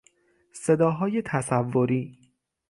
صداهای تصوری